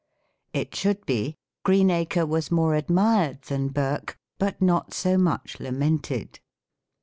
It should be, "Greenacre was more admired than Burke, but not so much lamented."